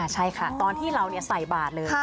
ใช่ค่ะตอนที่เราใส่บาทเลย